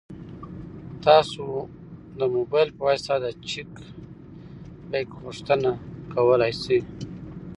تاسو د موبایل په واسطه د چک بک غوښتنه کولی شئ.